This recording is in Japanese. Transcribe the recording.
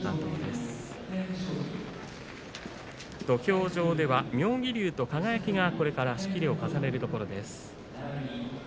土俵上では妙義龍と輝が仕切りを重ねるところです。